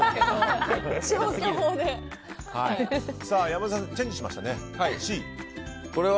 山添さん、チェンジしましたね。